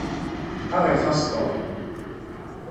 Ad aɣ-ixaṣ Tom.